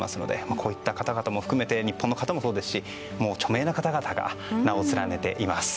こういった方々も含めて日本の方もそうですし著名な方が名を連ねています。